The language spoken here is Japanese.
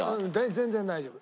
全然大丈夫。